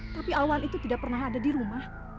tapi awal itu tidak pernah ada di rumah